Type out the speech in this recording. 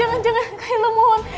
jangan jangan kaila mohon